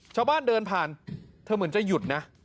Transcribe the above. ชาวบ้านเดินผ่านเธอเหมือนจะหยุดนะ